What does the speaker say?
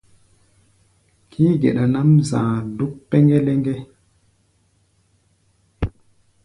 Kií-geɗa nʼǎm za̧a̧ dúk pɛŋgɛ-lɛŋgɛ.